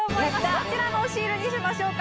どちらのシールにしましょうか？